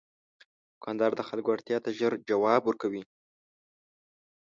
دوکاندار د خلکو اړتیا ته ژر ځواب ورکوي.